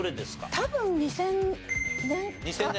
多分２０００年？